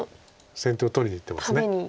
先手を取りにいってます。